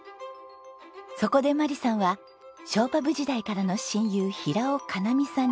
そこで眞理さんはショーパブ時代からの親友平尾香奈見さんに相談しました。